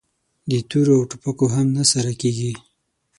د تورو او ټوپکو هم نه سره کېږي!